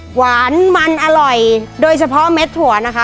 หวานมันอร่อยโดยเฉพาะเม็ดถั่วนะคะ